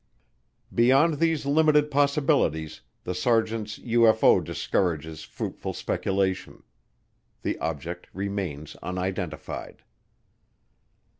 Beyond these limited possibilities the sergeants' UFO discourages fruitful speculation. The object remains unidentified.